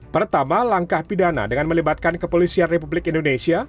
pertama langkah pidana dengan melibatkan kepolisian republik indonesia